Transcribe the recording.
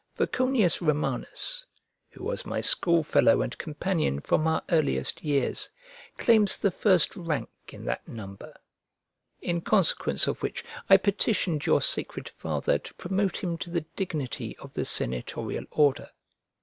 Voconius Romanus (who was my schoolfellow and companion from our earliest years) claims the first rank in that number; in consequence of which I petitioned your sacred father to promote him to the dignity of the senatorial order.